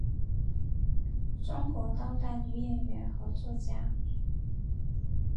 中国当代女演员和作家。